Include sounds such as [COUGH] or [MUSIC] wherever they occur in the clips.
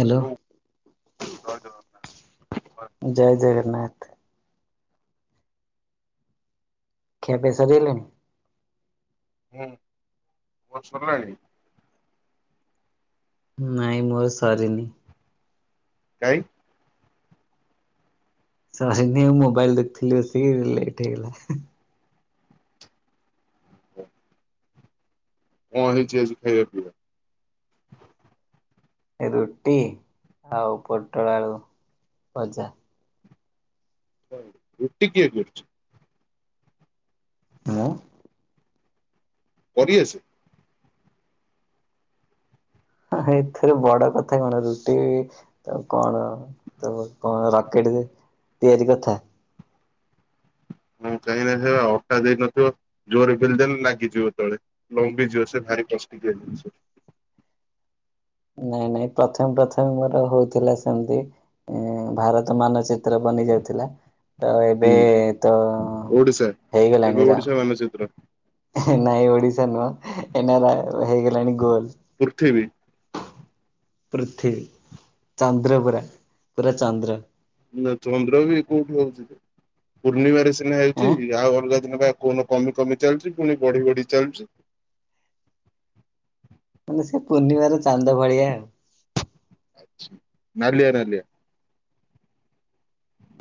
ହାଲ? ହୁଁ [UNINTELLIGIBLE] ମୋର ଜୟ ଜଗନ୍ନାଥ। ଖିଆ ପିଆ ସରିଗଲାଣି? ହୁଁ ତମର ସରିଲାଣି? ନାଇଁ ମୋର ସରିନି। କାଇଁ? ସରିନି ମୋବାଇଲ ଦେଖୁଥିଲି ବସିକି ଲେଟ୍ ହେଇଗଲା। ହ। କଁ ହେଇଚି ଆଜି ଖାଇବା ପିଇବା? ଏ ରୁଟି ଆଉ ପୋଟଳ ଆଳୁ ଭଜା। ହ ରୁଟି କିଏ କରୁଚି? ମୁଁ। କରି ଆସେ? ଏଇଥିରେ ବଡ କଥା କଣ ରୁଟି ତ କଣ ତ କଁ ରକେଟ୍ ଯେ ତିଆରି କଥା। [INAUDIBLE] ଅଟା ଦେଇ ନଥିବ? ଜୋରରେ ପେଲିଦେଲେ ଲାଗିଯିବ ତଳେ ଲମ୍ବିଯିବ ସେ ଭାରି କଷ୍ଟିକିିଆ ଜିନିଷ। ନାଇଁ ନାଇଁ ପ୍ରଥମେ ପ୍ରଥମେ ମୋର ହଉଥିଲା ସେମିତି ଇଁ ଭାରତ ମାନଚି ତ୍ର ବନି ଯାଉଥିଲା ତ ଏବେ ହୁଁ ତ ହେଇଗଲାଣିରା ଚିତ୍ର? ନାଇଁ ଓଡିଶା ନୁହଁ ଏଇନା ହେଇଗଲାଣି ଗୋଲ। ପୃଥିବୀ। ପୃଥିବୀ ଚନ୍ଦ୍ର ପୁରା ପୁରା ଚନ୍ଦ୍ର। ନା ଚନ୍ଦ୍ର ବି କୋଉଠି ହଉଛି? ପୂର୍ଣ୍ଣିମାରେ ସିନା ହେଉଛି। ଆଁ ଆଉ ଅଲଗା ଦିନ କୋଉନ କମି କମି ଚାଲିଛି ପୁଣି ବଢି ବଢି ଚାଲୁଛି। ମାନେ ସେ ପୂର୍ଣ୍ଣିମାର ଚାନ୍ଦ ଭଳିଆ ଆଉ। ନାଲିଆ ନାଲିଆ।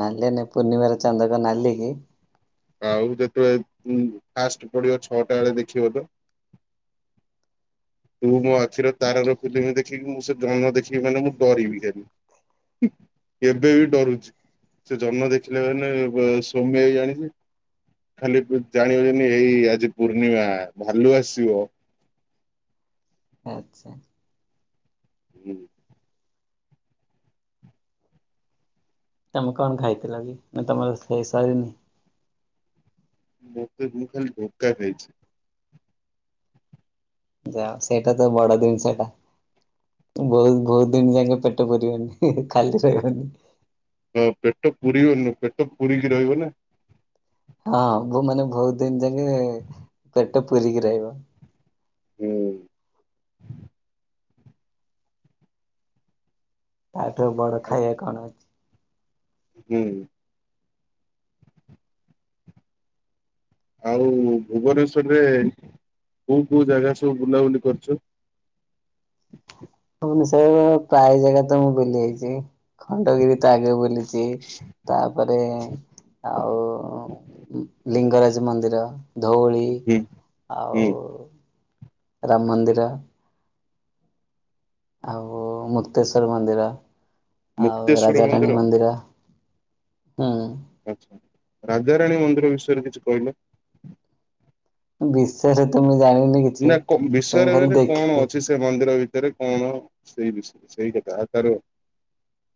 ନାଲେ ନାଇଁ ପୂର୍ଣ୍ଣିମାର ଚାନ୍ଦ କଣ ନାଲି କି? ଆଉ ଯେତେବେଳେ ଫାଷ୍ଟ ପଡିବ ଛଅଟା ବେଳେ ଦେଖିବ ତ। ତୁ ମୋ ଆଖିର ତାରାର ଫିଲ୍ମ ଦେଖିକି ମୁଁ ସେ ଜନ ଦେଖିକି ମାନେ ମୁଁ ଡରିବି ଖାଲି। ଏବେ ବି ଡରୁଛି। ସେ ଜନ୍ନ ଦେଖିଲେ ମାନେ ସୋମ୍ୟ ହେଇ ଜାଣିଛି। ଖାଲି ଜାଣିବ ଯେନି ଏଇ ଆଜି ପୂର୍ଣ୍ଣିମା ଭାଲୁ ଆସିବ। ଆଚ୍ଛା। ହୁଁ। ତମେ କଣ ଖାଇଥିଲ କି? ନାଁ ତମର ସେ ସରନି? ମୋକ ମୁଁ ଖାଲି ଧୋକା ଖାଇଛିି। ଯାଅ ସେଇଟା ତ ବଡ ଜିନିଷ ଟା। ବହୁତ ବହୁତ ଦିନ ଜାଙ୍କେ ପେଟ ପୁରିବନି ଖାଲି ରହିବନି। ହଁ ପେଟ ପୁରିବନି ପେଟ ପୁରିକି ରହିବ ନା। ହଁ ବୋ ମାନେ ବହୁତ ଦିନ୍-ଦିନି ପେଟ ପୂରିକି ରହିବ। ହୁଁ। ତାଠୁ ବଡ ଆ ଖାଇବା କଣ ଅଛି? ହୁଁ। ଆଉ ଭୁବନେଶ୍ଵରରେ କୋଉ କୋଉ ଜାଗା ସବୁ ବୁଲାବୁଲି କରିଛ? ଭୁବନିସରର ପ୍ରାୟ ଜାଗା ତ ମୁଁ ବୁଲି ଯାଇଛି। ଖଣ୍ଡଗିରି ତ ଆଗ ବୁଲି ଛି ତାପରେ ଆଉ ଲିଙ୍ଗରାଜ ମନ୍ଦିର। ଧୋଉଳି ହୁଁ ହୁଁ ଆଉ ରାମ ମନ୍ଦିର। ଆଉ ମୁକ୍ତେଶ୍ୱର ମନ୍ଦିର ଆଉ ରାଜାରାଣୀ ମନ୍ଦିର। ହୁଁ। ଆଛା ରାଜାରାଣୀ ମନ୍ଦିର ବିଷୟରେ କିଛି କହିଲେ। ବିଶେୟରେ ତ ମୁଁ ଜାଣିନି। କିଛି ନା କ ତମେ ବିଶୟରେ ଖାଲି [UNINTELLIGIBLE] କଣ ଦେଖିକି ଅଛି? ସେ ମନ୍ଦିର ଭିତରେ କଣ ସେଇ ବିଷୟରେ ସେଇ କଥା ଆଉ ତାର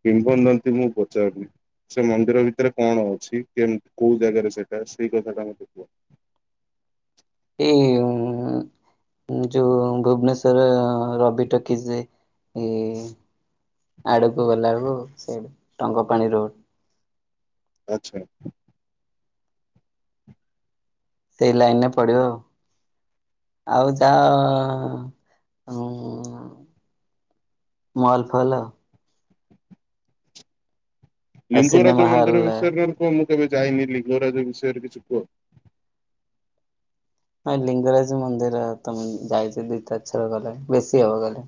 କିମ୍ବଦନ୍ତି ମୁଁ ପଚାରୁନି। ସେ ମନ୍ଦିର ଭିତରେ କଣ ଅଛି? କେ କୋଉ ଜାଗାରେ ସେଇଟା ସେଇ କଥା ଟା ମତେ କୁହ। ଇ ଯୋଉ ଭୁବନେଶ୍ଵର ରବି ଟକିଜ୍ ରେ ଏ ଆଡକୁ ଗଲା ବେଳକୁ ସେଇ ଟଙ୍ଗ ପାଣି ରୋଡ। ଆଚ୍ଛା ଆଚ୍ଛା। ସେଇ ଲାଇନ୍ ରେ ପଡିବ ଆଉ। ଆଉ ଯାଅ ଉଁ ମଲ ଫଲ। ସିନେମା ଲିଙ୍ଗରାଜ ହଲ୍ ମନ୍ଦିର ବିଷୟରେ [UNINTELLIGIBLE] କୁହ। ମୁଁ କେବେ ଯାଇନି ଲିଙ୍ଗରାଜ ବିଷୟରେ କିଛି କୁହ। ନାଇଁ ଲିଙ୍ଗରାଜ ମନ୍ଦିର ତ ମୁଁ ଯାଇଛି ଦି ଚାରିଥର ଗଲିଣି। ବେଶୀ ହବ ଗଲି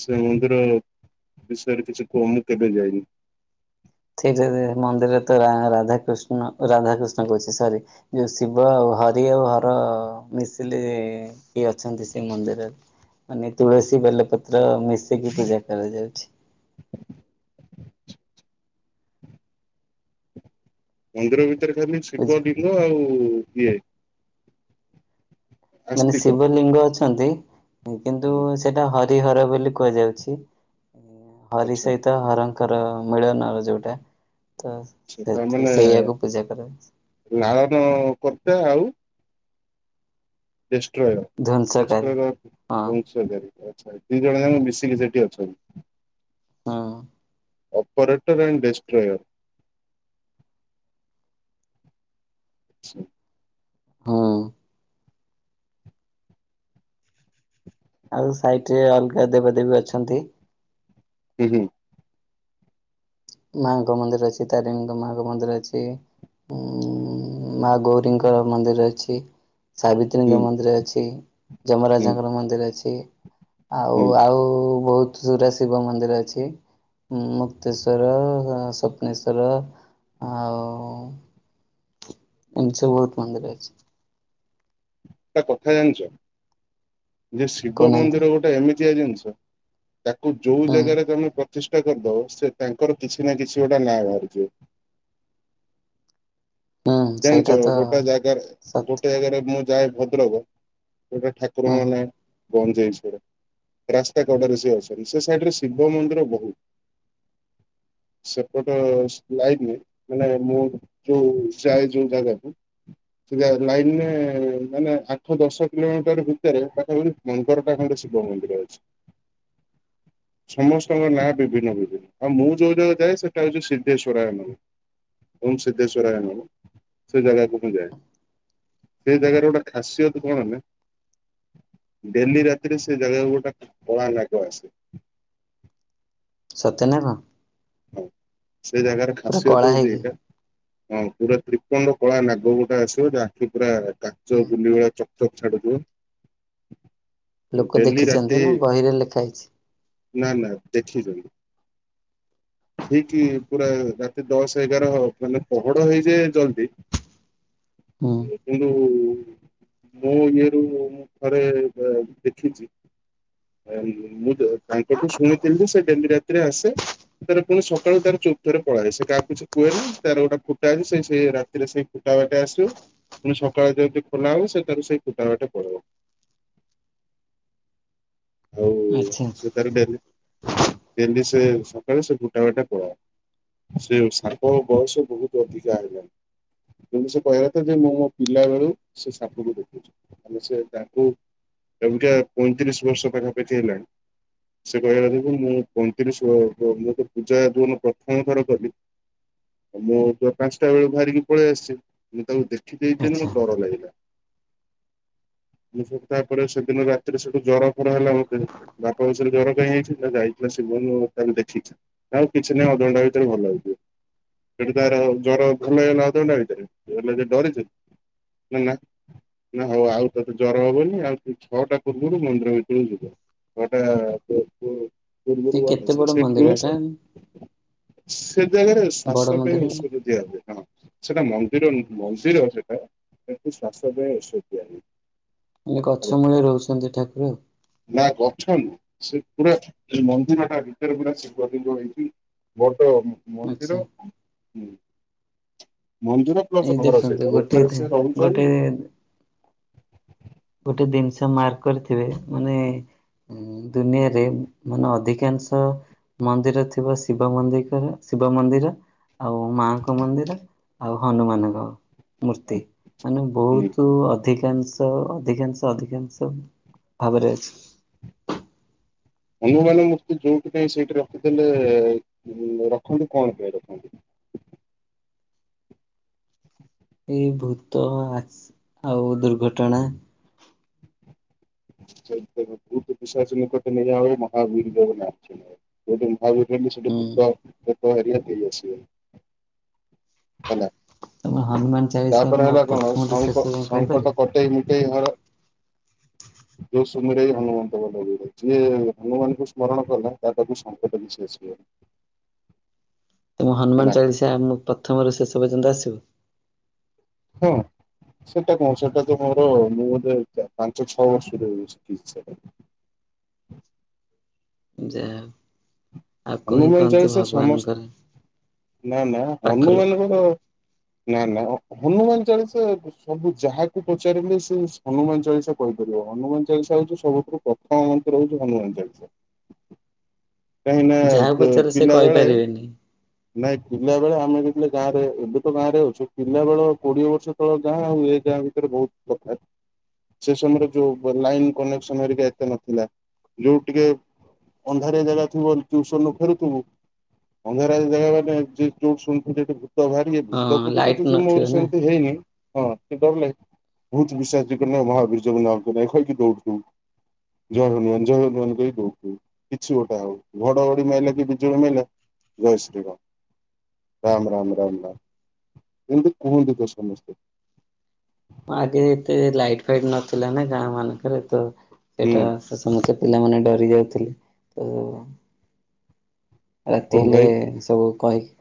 ସେଇ ମନ୍ଦିର ବିଷୟରେ କିଛି କୁହ? ମୁଁ କେବେ ଯାଇନି। ସେଇଠାରେ ମନ୍ଦିରରେ ତ ରା ରାଧାକୃଷ୍ଣ ରାଧାକୃଷ୍ଣ କହୁଚି ସରି। ଯୋଉ ଶିବ ଆଉ ହରି ଆଉ ହର ମିଶିଲେ କି ଅଛନ୍ତି ସେ ମନ୍ଦିରରେ ମାନେ ତୁଳସୀ ବେଲପତ୍ର ମିଶିକି ପୂଜା କରାଯାଉଛି। ମନ୍ଦିର ଭିତରେ ଖାଲି ଶିବ ବୁଝି ଲିଙ୍ଗ ଆଉ କିଏ? ମାନେ ଶିବ ଲିଙ୍ଗ ଅଛନ୍ତି କିନ୍ତୁ ହୁଁ, ସେଟା ହରି ହରି ହର ବୋଲି କୁହାଯାଉଛି ହରି ଆଚ୍ଛା ସହିତ ହର ଙ୍କର ମିଳନର ଯୋଉଟା ତ ଆଚ୍ଛା ସେ ତାମାନେ ସେଇଆକୁ ପୂଜା କରା ଲାଳନ କର୍ତ୍ତା ଆଉ ଜେଷ୍ଟ୍ରୟ ଧ୍ୱଂସକାରୀ ଜେଷ୍ଟ୍ରୟର ହଁ ବଂଶଧାରୀ। ଆଚ୍ଛା, ଦି ଜଣ ଯାଙ୍କ ମିଶିକି ସେଇଠି ଅଛନ୍ତି। ହଁ। Operator and destroyer. ଆଚ୍ଛା। ହୁଁ। ଆଉ ସାଇଟରେ ଅଲଗା ଦେବା ଦେବୀ ଅଛନ୍ତି। [UNINTELLIGIBLE] ମାଙ୍କ ମନ୍ଦିର ଅଛି, ତାରିଣୀଙ୍କ ମାଆଙ୍କ ମନ୍ଦିର ଅଛି। ଉଁ ମାଁ ଗୌରୀଙ୍କ ମନ୍ଦିର ଅଛି। ହୁଁ ସାବିତ୍ରୀଙ୍କ ମନ୍ଦିର ଅଛି, ହୁଁ ଯମରାଜଙ୍କର ମନ୍ଦିର ଅଛି। ଆଉ ହୁଁ ଆଉ ବହୁତ ଗୁରେ ଶିବ ମନ୍ଦିର ଅଛି, ମୁକ୍ତେଶ ଶ୍ୱର ସ୍ୱପ୍ନେଶ୍ଵର ଆଉ ଏମିତି ସବୁ ବହୁତ୍ ମନ୍ଦିର ଅଛି। ଗୋଟା କଥା ଜାଣିଚ ଯେ ଶିବ କହୁନାହାନ୍ତି ମନ୍ଦିର ଗୋଟେ ଏମିତିଆ ଜିନିଷ। ତାକୁ ଯୋଉ ହୁଁ ଜାଗାରେ ତମେ ପ୍ର ପ୍ରତିଷ୍ଠା କରିଦବ, ସେ ତାଙ୍କର କିଛି ନା କିଛି ଗୋଟେ ନାଁ ବାହାରିଯିବ। ହୁଁ ସେଇଟା ଜାଣିଚ ତ ଗୋଟେ ଜାଗାରେ ସତ ଗୋଟେ ଜାଗାରେ ମୁଁ ଯାଏ ଭଦ୍ରକ ଗୋଟେ ଠା ହୁଁ ଠାକୁରଙ୍କ ନାଁ ଗଞ୍ଜେଇଶ୍ୱର। ରାସ୍ତା କଡରେ ସିଏ ଅଛନ୍ତି, ସେ ସାଇଡ ରେ ଶିବ ମନ୍ଦିର ବହୁତ। ସେପଟ ଲାଇନ ମାନେ ମୁଁ ଯୋଉ ଚାହେଁ ଯୋଉ ଜାଗାକୁ ସେ ଜା ଲାଇନରେ ମାନେ ଆଠ ଦଶ କିଲୋମିଟର ଭିତରେ ପାଖପାଖି [UNINTELLIGIBLE] ଗୋଟେ ଶିବ ମନ୍ଦିର ଅଛି। [INAUDIBLE] ସମସ୍ତଙ୍କ ନାଁ ବିଭିନ୍ନ ବିଭିନ୍ନ ଆଉ ମୁଁ ଯୋଉ ଜାଗା କୁ ଯାଏ ସେଟା ହଉଛି ସିଦ୍ଧେଶ୍ଵରାୟ ମନ୍ଦିର। ଓଁ ସିଦ୍ଧେଶ୍ୱରାୟ ନମଃ‌। ସେ ଜାଗାକୁ ମୁଁ ଯାଏ, ସେ ଜାଗାର ଗୋଟେ ଖାସିୟତ କଣ ନା ଡେଲି ରାତିରେ ସେ ଜାଗାକୁ ଗୋଟା କଳା ନାଗ ଆସେ। ସତେ ନା କଣ? ହଁ ସେ ଜାଗାରେ ପୁରା କଳା ଖାସିୟତ ହଉଛି ହେଇକି ଏଇଟା। ହଁ ପୁରା ତ୍ରିପଣ୍ଡ କଳା ନାଗ ଗୋଟେ ଆସିବ ତା ଆଖି ପୁରା କାଚ ହୁଁ ଗୁଲି ଭଳିଆ ଚ ଚକ୍ ଚକ୍ ଛାଡୁଥିବ। ଲୋକ ଡେଲି ରାତି ଦେଖିଛନ୍ତି ନା ବହିରେ ଲେଖା ହେଇଛି। ନା ନା ଦେଖିଛନ୍ତି। ସେଇଠି ପୁରା ରାତି ଦଶ ଏଗାର ମାନେ ପହଡ ହେଇଯାଏ ଜଲ୍ଦି। ହୁଁ ପୂର୍ବରୁ ମୁଁ ଇଏରୁ ମୁଁ ଥରେ ଦେ ଦେଖିଚି, ମୁଁ ତାଙ୍କଠୁ ଶୁଣିଥିଲି ଯେ, ସିଏ ଡେଲି ରାତିରେ ଆସେ ସେରେ ପୁଣି ସକାଳୁ ତାର ଚୋପ ଥରେ ପଳାଏ, ସେ କାହାକୁ ସେ କୁହେ ନାହିଁ, ତାର ଗୋଟେ ଫୁଟା ଅଛି ସେ ସେଇ ରା ସେରେ ସେଇ ଫୁଟାବାଟେ ଆସିବ, ଫୁଣି ସକାଳେ ଯେମିତି ଖୋଲା ହବ, ସେ ତାର ସେଇ ଫୁଟବାଟେ ପଳେଇବ। ଆଉ ଆଚ୍ଛା ସିଏ ତାର ଡେଲି, ଡେଲି ସେ ସକାଳୁ, ସେ ଫୁଟା ବାଟେ ପଳାଏ। ସେ ସାପର ବୟସ ବହୁତ ଅଧିକା ହେଲାଣି। କିନ୍ତୁ ସେ କହିବା କଥା ଯେ, ମୁଁ ମୋ ପିଲା ବେଳୁ ସେ ସାପକୁ ଦେଖୁଚି। ତାହେଲେ ସେ ତାଙ୍କୁ, ଏନିକା ପଇଁତିରିଶ ବର୍ଷ ପାଖାପାଖି ହେଲାଣି। ସେ କହିବା କଥାଯେ - ମୁଁ ପଇଁତିରିଶ ମୁଁ ତ ପୂଜା ଯୋଉଦିନ ପ୍ରଥମ ଥର କଲି ମୁଁ ଯ ପାଞ୍ଚଟା ବେଳ ବାହାରିକି ପଳେଇ ଆସିଛି, ମୁଁ ତାକୁ ଦେଖି ଦେଇଚି, ଆଚ୍ଛା ମୋତେ ଡର ଲାଗିଲା। ମୁଁ ସେଠୁ, ତା ପରେ ସେଦିନ ରାତିରେ ସେଠୁ ଜ୍ୱର ହେଲା ମୋତେ, ବାପା ପଚାରିଲେ ଜର କାଇଁ ହେଇଚି, ଯାଇଥିଲା ଶିବନ ତାକୁ ଦେଖିଛି। ନା ଆଉ କିଛି ନାହିଁ, ଅଧଘଣ୍ଟା ଭିତରେ ଭଲ ହେଇଯିବ। ସେଠି ତାର ଜର ଭଲ ହେଇଗଲା ଅଧଘଣ୍ଟା ଭିତରେ, [UNINTELLIGIBLE] ଯେ ଡରିଚି। ନା ନା ନା, ହଉ ଆଉ ତତେ ଜ୍ୱର ହବନି, ଆଉ ଛଅଟା ପୂର୍ବରୁ ମନ୍ଦିର ଭିତର [UNINTELLIGIBLE] ଛଅଟା ସେ କେତେ ବଡ [UNINTELLIGIBLE] [UNINTELLIGIBLE] ସେଇଠି ମନ୍ଦିର ରୁହେ ସେ। ଏଟା ସେ ଜାଗାରେ ବଡ ଶ୍ୱାସ ପାଇଁ ମନ୍ଦିର ଔଷଧ ଦିଆଯାଏ [UNINTELLIGIBLE] ସେଟା ମନ୍ଦିର ନୁହଁ, ମନ୍ଦିର ସେଟା, କିନ୍ତୁ ଶ୍ୱାସ ପାଇଁ ଔଷଧ ଦିଆହୁଏ ମାନେ ହେଲା। ଗଛ ମୂଳେ ରହୁଛନ୍ତି ଠାକୁର? ନା ଗଛ ନୁହଁ, ସେ ପୁରା ମନ୍ଦିରଟା ଭିତରେ ପୁରା ଶିବଲିଙ୍ଗ ହେଇଚି ବଡ ଆଚ୍ଛା ମନ୍ଦିର, ହୁଁ ମନ୍ଦିର ଏଇ [UNINTELLIGIBLE] ଘର ଦେଖନ୍ତୁ ସେଇଟା, ଗୋଟେ ଗୁମ୍ଫାରେ ସେ ରହୁଚନ୍ତି ଗୋଟେ ଗୋଟେ ଜିନିଷ ମାର୍କ କରିଥିବେ, ମାନେ ହୁଁ ଦୁନିଆରେ, ମାନେ ଅଧିକାଂଶ ମନ୍ଦିର ଥିବ, ଶିବ ମନ୍ଦିକର, ଶିବ ମନ୍ଦିର ଆଉ ମାଆଙ୍କ ମନ୍ଦିର, ଆଉ ହନୁମାନଙ୍କ ହଁ, ମୂର୍ତ୍ତି ମାନେ ହୁଁ। ବହୁତ ଅଧିକାଂଶ ଅଧିକାଂଶ, ଅଧିକାଂଶ ଭାବରେ ଅଛି। ହନୁମାନ ମୂର୍ତ୍ତି ଯୋଉଠି ପାଇଁ ସେଇଠି ରଖିଦେଲେ ରଖନ୍ତି, କଣ ପାଇଁ ରଖନ୍ତି? ଏଇ ଭୂତ ଆସ୍, ଆଉ ଦୁର୍ଘଟଣା ଭୁତ ପୀସାଚ ନିକଟ ନାହିଁ ଆୱ, ମହାବୀର ଜବ ନାମ ଶୁନାଏ। ଯୋଉଠି ହୁଁ [UNINTELLIGIBLE] ହେଲା, ତମେ ହନୁମାନ ଚାଳିଶା ତାପରେ ମୋ ହେଲା କଣ ପ୍ରଥମରୁ ଶେଷ ସଙ୍କ ଯାଏ କହିପାରିବ? ସଙ୍କଟ କଟେଇ ମୁଟେଇ [UNINTELLIGIBLE] [UNINTELLIGIBLE] ଯୋଉ ସମୟରେ [UNINTELLIGIBLE] ଯିଏ ହନୁମାନଙ୍କୁ ସ୍ମରଣ କଲା, ତା ପାଖକୁ ସଙ୍କଟ କିଛି ଆସିବନି। ତମକୁ ହେଲା। ହନୁମାନ ଚାଳିଶା, ମୁଁ ପ୍ରଥମରୁ ଶେଷ ପର୍ଯ୍ୟନ୍ତ ଆସିବ? ହଁ ସେଇଟା କଣ, ସେଟା ତ ମୋର ମୁଁ ବୋଧେ ପାଞ୍ଚ ଛଅ ବର୍ଷରୁ ଶିଖିଛି ସେଇଟା। ଯା ହଉ। ହନୁମାନ ଚାଳିଶା ସମସ୍ତ, ଭଗବାନଙ୍କର ନା ନା ପାଖ ଲୋକ ହନୁମାନଙ୍କର ନା ନା ହନୁମାନ ଚାଳିଶା, ସବୁ ଯାହାକୁ ପଚାରିଲେ ସେ ହନୁମାନ ଚାଳିଶା କହିପାରିବ, ହନୁମାନ ଚାଳିଶା ହଉଚି ସବୁଠୁ ପ୍ରଥମ ମନ୍ତ୍ର ହଉଚି, ହନୁମାନ ଚାଳିସା। [INAUDIBLE] କାହିଁକି ଯାହାକୁ ନା ପଚାର ସେ ପିଲା ବେଳେ କହିପାରିବେନି। ନାଇଁ ପିଲା ବେଳେ ଆମେ ଯେତେବେଳେ ଗାଁରେ ଏବେ ତ ଗାଁରେ ଅଛୁ ପିଲାବେଳ କୋଡିଏ ବର୍ଷ ଗାଁ ହୁଏ ତାହା ଭିତରେ ବହୁତ ପ୍ରକାର ସେ ସମୟରେ ଯୋଉ ଲାଇନ କନେକ୍ସନ ହେରିକା ଏତେ ନଥିଲା ଯୋଉ ଟିକେ ଅନ୍ଧାରିଆ ଜାଗା ଥିବ ଟ୍ୟୁସନରୁୁ ଫେରୁଥିବୁ। [UNINTELLIGIBLE] ସେମିତି ହେଇନି। ହଁ ଲାଇଟ୍ ନଥିବ ସେ ନା ଦୌଡିଲେ ବହୁତ ବିଶ୍ୱାସ ମହାବୀରଯ୍ୟଙ୍କ ନାଁ କହିକି ଦୌଡୁିବୁ। ଜର ନୁହଁ ଜର ନୁହଁ ବୋଉକୁ କହୁ କିଛି ଗୋଟେ ଆଉ ଘଡଘଡି ମାଇଲା କି ବିଜୁଳି ମାଇଲା। ଜୟ ଶ୍ରୀ ରାମ। ରାମ ରାମ ରାମ ରାମ ଏନ୍ତି କୁହନ୍ତିୁ ତ ସମସ୍ତେ ଆଗେ ଏତେ ଲାଇଟ ଫାଇଟ ନଥିଲା ନା ଗାଁ ମାନଙ୍କରେ ତ ହୁଁ ଏଟା ତ ସମସ୍ତେ ପିଲାମାନେ ଡରି ଯାଉଥିଲେ ତ ରାତି ହଉ ହେଲେ ଭାଇ ସବୁ କହିକି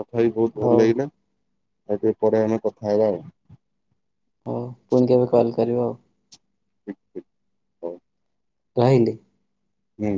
କଥା ହେଇ ବହୁତ ଭଲ ହଉ ଲାଗିଲା ଆଉ ଟିକେ ପରେ ଆମେ କଥା ହେବା ଆଉ। ହଉ ପୁଣି କେବେ କଲ୍ କରିବ ଆଉ ହଉ ରହିଲି। ହୁଁ